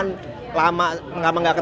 nah patergu downwards